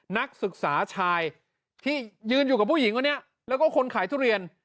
นักศึกษาชายที่ยืนอยู่กับผู้หญิงคนนี้แล้วก็คนขายทุเรียน